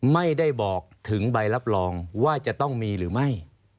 ไม่ได้บอกถึงใบรับรองว่าจะต้องมีหรือไม่